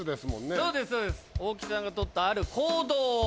そうです大木さんがとったある行動を。